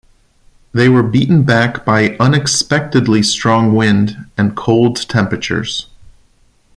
They were beaten back by unexpectedly strong wind and cold temperatures.